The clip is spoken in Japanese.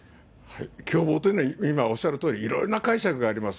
共謀というのは今、おっしゃるとおり、いろんな解釈があります。